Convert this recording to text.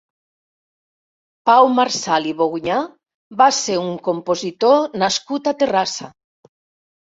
Pau Marsal i Boguñà va ser un compositor nascut a Terrassa.